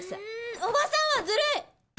おばさんはずるい！